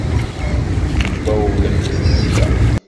Mbawlemt sya.